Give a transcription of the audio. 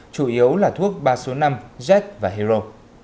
chủ yếu là thuốc ba số năm z và hero